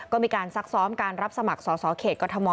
ก็มีการซักซ้อมการรับสมัครสอสอเขตกรทม